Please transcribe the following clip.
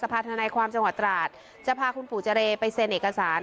ประธานสภาษณ์ภาคศร้าชนลุม